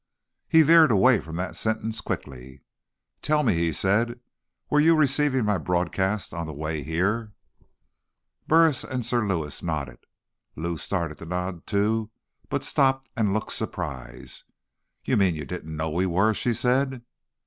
He veered away from that sentence quickly. "Tell me," he said, "were you receiving my broadcast on the way here?" Burris and Sir Lewis nodded. Lou started to nod, too, but stopped and looked surprised. "You mean you didn't know we were?" she said.